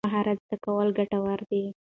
مهارت زده کول ګټور دي.